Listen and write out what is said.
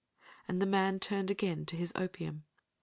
And the man turned again to his opium.